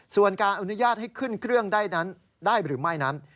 ส่วนการอนุญาตให้ขึ้นเครื่องได้นั้นได้หรือไม่นั้น